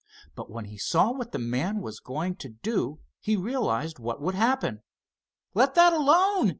But when he saw what the man was going to do he realized what would happen. "Let that alone!"